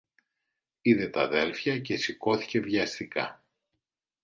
Είδε τ' αδέλφια και σηκώθηκε βιαστικά